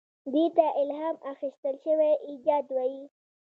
دې ته الهام اخیستل شوی ایجاد وایي.